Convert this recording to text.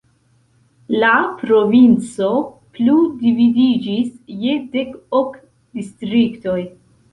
La provinco plu dividiĝis je dek ok distriktoj.